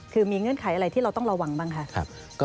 คือมีเงื่อนไขอะไรที่เราต้องระวังบ้างคะ